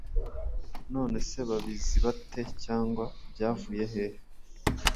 nonese babizi bate cyangwa Byavuye he